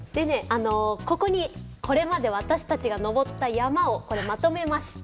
あのここにこれまで私たちが登った山をこれまとめました。